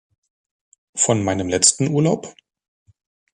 Von meinem letzten Urlaub?